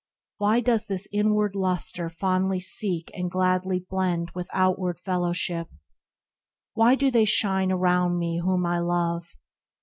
Why does this inward lustre fondly seek THE RECLUSE 45 And gladly blend with outward fellowship ? Why do they shine around me whom I love